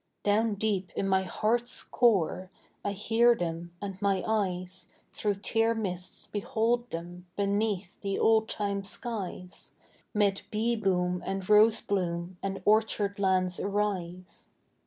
Down deep in my heart's core I hear them and my eyes Through tear mists behold them beneath the old time skies, 'Mid bee boom and rose bloom and orchard lands arise.